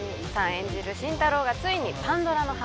演じる心太朗がついにパンドラの箱